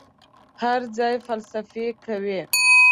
هر ځای فلسفې کوي.